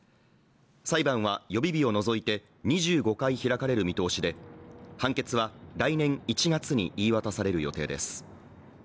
裁判は予備日を除いて２５回開かれる見通しで判決は来年１月に言い渡される予定です。